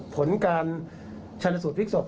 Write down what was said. ผลการชนสูตรพลิกศพ